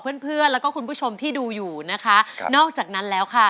ต่อเพื่อนเพื่อนและคุณผู้ชมที่ดูอยู่นะครับ